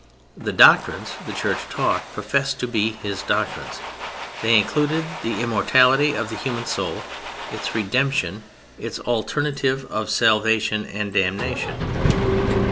The doctrines the Church taught professed to be His doctrines. They included the immortality of the human soul, its redemption, its alternative of salvation and damnation.